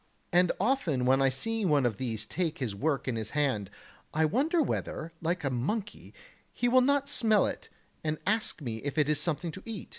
And often when I see one of these take this work in his hand, I wonder whether, like a monkey, he will not smell it and ask me if it is something to eat.